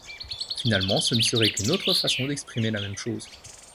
Finalement, ce ne serait qu'une autre façon d'exprimer la même chose.